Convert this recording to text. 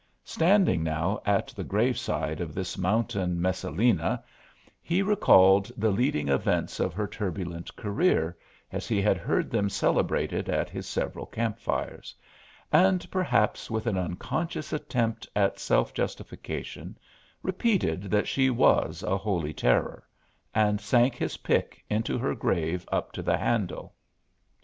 Standing now at the grave side of this mountain Messalina he recalled the leading events of her turbulent career, as he had heard them celebrated at his several campfires, and perhaps with an unconscious attempt at self justification repeated that she was a holy terror, and sank his pick into her grave up to the handle.